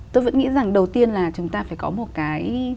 tôi vẫn nghĩ rằng đầu tiên là chúng ta phải có một cái